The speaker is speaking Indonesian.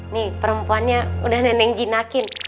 nih perempuannya udah nenek jinakin